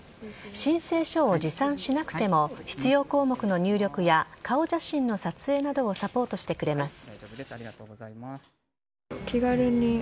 申請書を持参しなくても必要項目の入力や顔写真の撮影などをサポートしてくれます。